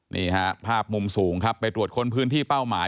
นี่ฮะภาพมุมสูงครับไปตรวจค้นพื้นที่เป้าหมาย